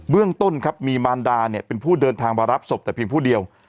เรื่องต้นครับมีมารดาเนี่ยเป็นผู้เดินทางมารับศพแต่เพียงผู้เดียว